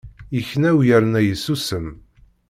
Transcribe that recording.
Yekna u yerna yessusem.